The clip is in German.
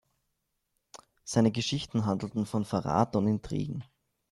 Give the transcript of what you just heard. Seine Geschichten handelten von Verrat und Intrigen.